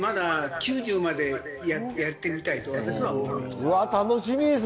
９０までやってみたいと思っています。